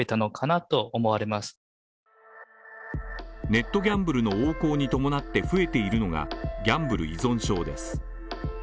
ネットギャンブルの横行に伴って増えているのがギャンブル依存症です。